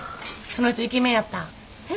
その人イケメンやった？へ？